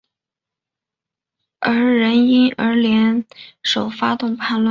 两人因而联手发动叛乱。